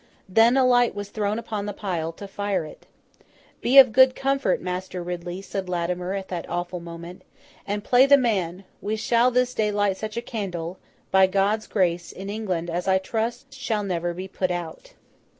Then, a light was thrown upon the pile to fire it. 'Be of good comfort, Master Ridley,' said Latimer, at that awful moment, 'and play the man! We shall this day light such a candle, by God's grace, in England, as I trust shall never be put out.